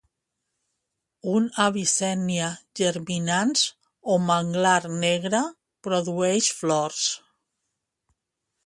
Un Avicennia germinans, o manglar negre, produeix flors.